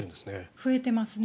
増えていますね。